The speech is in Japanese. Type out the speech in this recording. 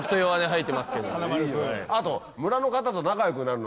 はい！